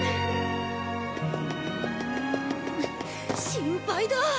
心配だ！